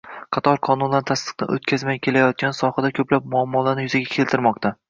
qator qonunlarni tasdiqdan o‘tkazmay kelayotgani sohada ko‘plab muammolarni yuzaga keltirmoqda.